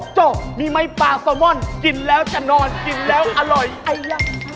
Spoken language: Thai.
โจมีไหมปลาซอมม่อนกินแล้วจะนอนกินแล้วอร่อย